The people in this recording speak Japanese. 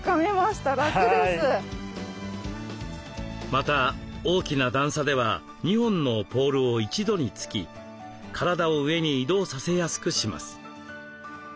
また大きな段差では２本のポールを一度に突き体を上に移動させやすくします。